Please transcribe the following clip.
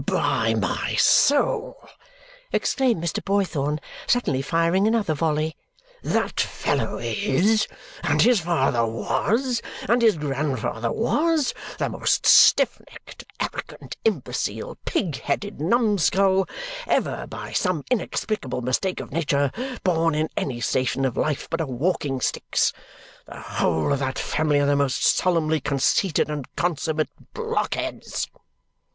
"By my soul," exclaimed Mr. Boythorn, suddenly firing another volley, "that fellow is, and his father was, and his grandfather was, the most stiff necked, arrogant imbecile, pig headed numskull, ever, by some inexplicable mistake of Nature, born in any station of life but a walking stick's! The whole of that family are the most solemnly conceited and consummate blockheads!